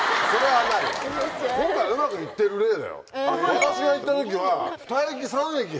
私が行った時は。